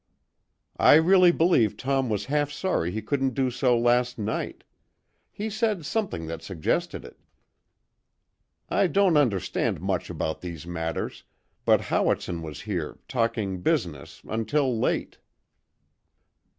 "I really believe Tom was half sorry he couldn't do so last night. He said something that suggested it. I don't understand much about these matters, but Howitson was here, talking business, until late."